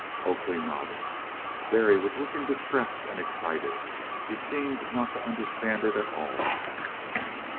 Oakley nodded. Berry was looking distressed and excited. He seemed not to understand it at all.